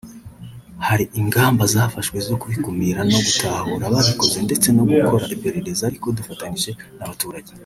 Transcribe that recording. Hari ingamba zafashwe zo kubikumira no gutahura ababikoze ndetse no gukora iperereza ariko dufatanyije n’abaturage